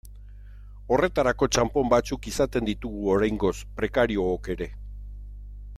Horretarako txanpon batzuk izaten ditugu oraingoz prekariook ere.